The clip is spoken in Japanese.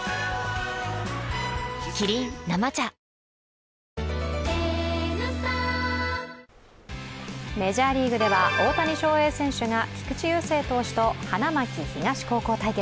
キリン「生茶」メジャーリーグでは大谷翔平選手が菊池雄星投手が花巻東高校対決。